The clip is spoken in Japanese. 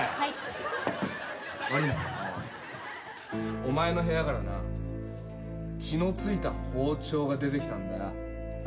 お前の部屋からな血のついた包丁が出てきたんだよ。